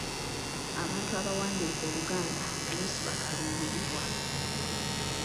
Abantu abawandiika Oluganda oluusi bakaluubirirwa.